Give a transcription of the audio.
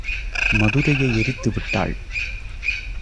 மதுரையை எரித்து விட்டாள்.